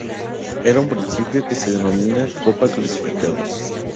En un principio se denominó Copa Clasificados.